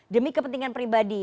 demi kepentingan pribadi